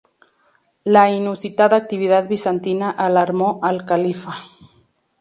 La inusitada actividad bizantina alarmó al califa.